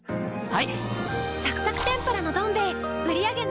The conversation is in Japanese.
はい。